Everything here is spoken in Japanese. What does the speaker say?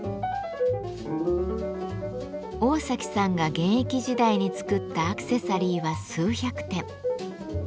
桜咲さんが現役時代に作ったアクセサリーは数百点。